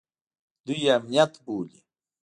دوى يې امنيت بولي.